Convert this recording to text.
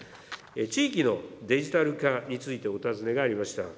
地域のデジタル化についてお尋ねがありました。